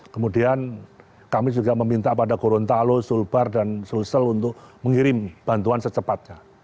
kemudian kami juga meminta pada gorontalo sulbar dan sulsel untuk mengirim bantuan secepatnya